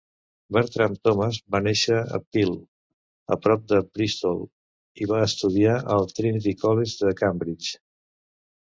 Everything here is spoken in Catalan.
Bertram Thomas va néixer a Pill, a prop de Bristol, i va estudiar al Trinity College de Cambridge.